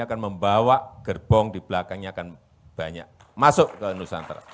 akan membawa gerbong di belakangnya akan banyak masuk ke nusantara